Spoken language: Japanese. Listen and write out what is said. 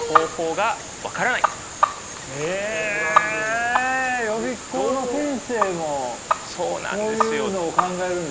悩みはへえ予備校の先生もそういうのを考えるんですか？